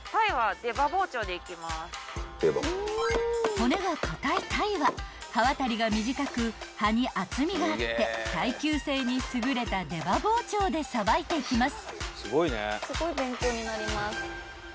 ［骨が硬い鯛は刃渡りが短く刃に厚みがあって耐久性に優れた出刃包丁でさばいていきます］